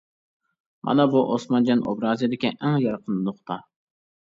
مانا بۇ ئوسمانجان ئوبرازىدىكى ئەڭ يارقىن نۇقتا.